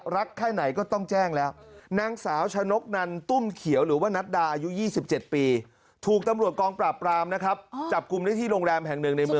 รักไข้ไหนก็ต้องแจ้งแล้วนางสาวชะนกนันตุ้มเขียวหรือว่านัตรดา